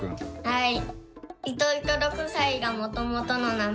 はい。